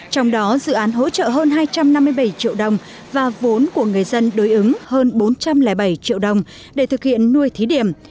trong đó dự án hỗ trợ hơn hai trăm năm mươi bảy triệu đồng và vốn của người dân đối ứng hơn bốn trăm linh bảy triệu đồng để thực hiện nuôi thí điểm